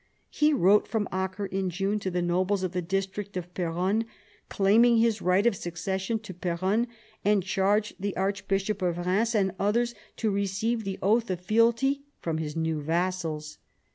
He wrote from Acre in June to the nobles of the district of Peronne claiming his right of succession to Peronne, and charged the archbishop of Eheims and others to receive the oath of fealty from his new vassals.